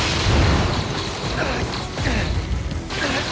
うっ！